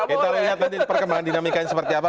kita lihat nanti perkembangan dinamikanya seperti apa